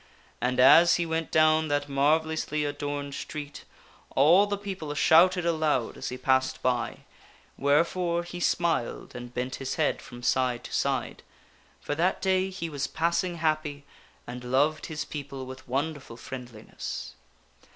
And as he went down that marvellously adorned street, all the people shouted aloud as he passed by, wherefore he smiled and bent his head from side to side ; for that day he was passing happy and loved his people with wonderful friendliness.